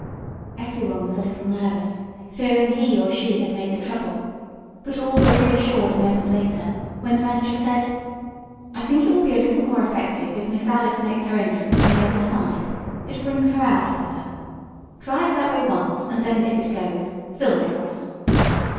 Everyone was a little nervous, fearing he or she had made the trouble, but all were reassured a moment later, when the manager said: "I think it will be a little more effective if Miss Alice makes her entrance from the other side. It brings her out better. Try it that way once, and then, if it goes, film it, Russ."